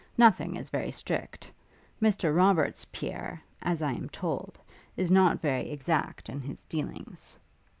Nothing is very strict. Mr Robertspierre, as I am told, is not very exact in his dealings.'